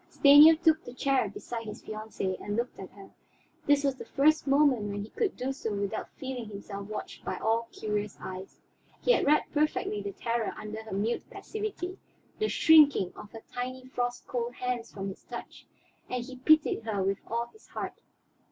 Stanief took the chair beside his fiancée and looked at her; this was the first moment when he could do so without feeling himself watched by all curious eyes. He had read perfectly the terror under her mute passivity, the shrinking of her tiny frost cold hand from his touch, and he pitied her with all his heart.